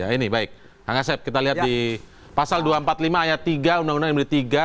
ini baik kita lihat di pasal dua ratus empat puluh lima ayat tiga undang undang yang berikutnya